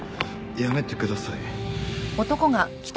やめてください